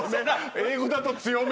英語だと強め。